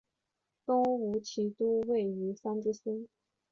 东吴骑都尉虞翻之孙。